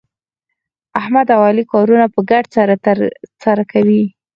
احمد او علي کارونه په ګډه سره ترسره کوي.